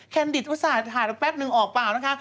แคนดิตถ่ายแป๊บนึงออกเปล่านะคะ